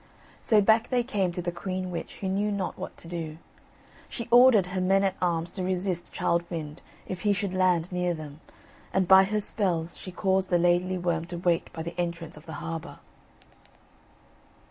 So back they came to the queen witch, who knew not what to do. She ordered her men at arms to resist Childe Wynd if he should land near them, and by her spells she caused the Laidly Worm to wait by the entrance of the harbour.